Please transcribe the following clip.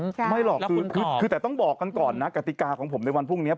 ใช่ไม่หรอกคือแต่ต้องบอกกันก่อนนะกติกาของผมในวันพรุ่งนี้